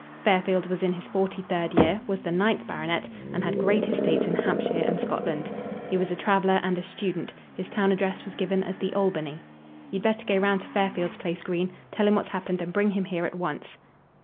Fairfield was in his forty third year, was the ninth baronet, and had great estates in Hampshire and Scotland. He was a traveller and a student. His town address was given as the Albany. "You'd better go round to Fairfield's place, Green. Tell him what's happened and bring him here at once."